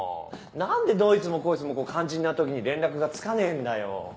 何でどいつもこいつも肝心なときに連絡がつかねえんだよ。